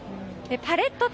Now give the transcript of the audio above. パレット